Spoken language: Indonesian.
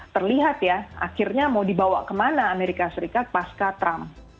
terlihat ya akhirnya mau dibawa kemana amerika serikat pasca trump